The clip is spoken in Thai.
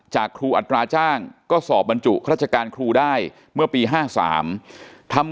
ครูอัตราจ้างก็สอบบรรจุราชการครูได้เมื่อปี๕๓ทำ